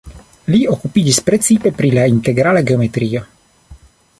Li okupiĝis precipe pri la integrala geometrio.